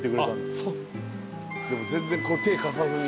そうでも全然手貸さずに。